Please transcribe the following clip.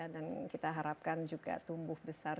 dan kita harapkan juga tumbuh besar